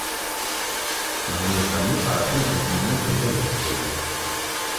- Маһинур ғәмле ҡарашын Мәҙинәнән тәҙрәгә күсерҙе.